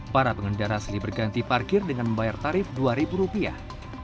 para pengendara asli berganti parkir dengan membayar tarif dua ribu rupiah